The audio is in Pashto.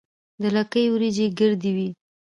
د لکۍ وریجې ګردې وي.